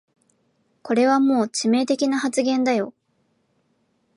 これはもう致命的な発言だよ